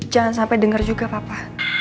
jangan sampai dengar juga papa